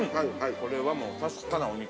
◆これはもう、確かなお肉。